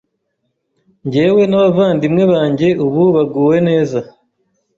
njyewe n’abavandimwe banjye, ubu baguwe neza